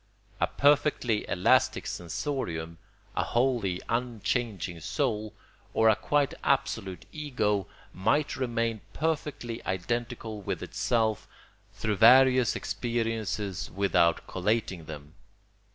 A perfectly elastic sensorium, a wholly unchanging soul, or a quite absolute ego might remain perfectly identical with itself through various experiences without collating them.